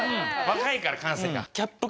若いから感性が。